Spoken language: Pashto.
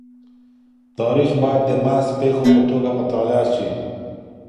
تاریخ باید د محض پېښو په توګه مطالعه سي.